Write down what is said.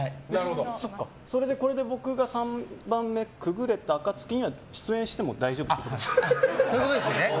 それでこれが僕が３番目くぐれた暁には出演しても大丈夫という？